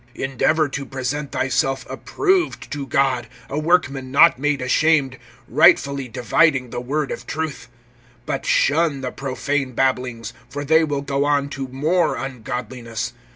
(15)Endeavor to present thyself approved to God, a workman not made ashamed, rightly dividing[2:15] the word of truth. (16)But shun the profane babblings; for they will go on to more ungodliness.